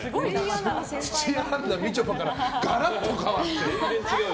土屋アンナ、みちょぱからガラッと変わって。